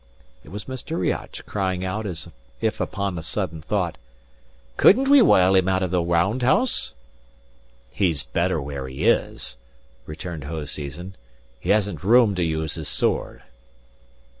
It was Mr. Riach, crying out as if upon a sudden thought: "Couldn't we wile him out of the round house?" "He's better where he is," returned Hoseason; "he hasn't room to use his sword."